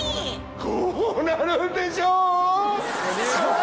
こうなるでしょ。